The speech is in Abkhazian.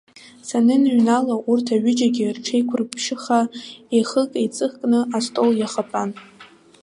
Саныныҩнала, урҭ аҩыџьагьы рҽеиқәырԥшьыхаа, еихыкеиҵыкны астол иахатәан.